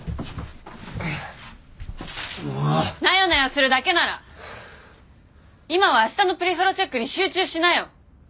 なよなよするだけなら今は明日のプリソロチェックに集中しなよ。